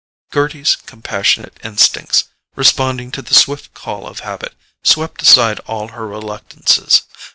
Gerty's compassionate instincts, responding to the swift call of habit, swept aside all her reluctances.